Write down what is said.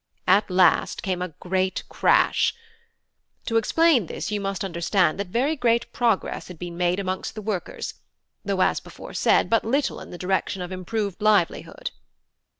At last came a great crash. To explain this you must understand that very great progress had been made amongst the workers, though as before said but little in the direction of improved livelihood."